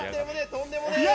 とんでもねえよ。